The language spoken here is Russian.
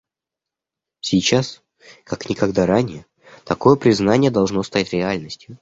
Сейчас, как никогда ранее, такое признание должно стать реальностью.